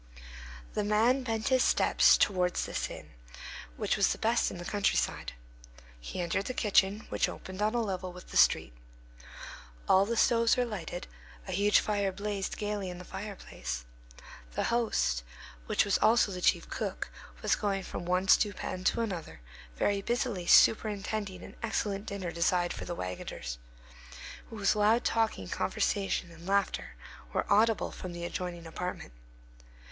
_ The man bent his steps towards this inn, which was the best in the country side. He entered the kitchen, which opened on a level with the street. All the stoves were lighted; a huge fire blazed gayly in the fireplace. The host, who was also the chief cook, was going from one stew pan to another, very busily superintending an excellent dinner designed for the wagoners, whose loud talking, conversation, and laughter were audible from an adjoining apartment.